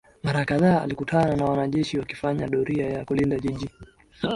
Mara kadhaa alikutana na wanajeshi wakifanya doria ya kulinda jiji